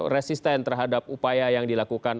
resisten terhadap upaya yang dilakukan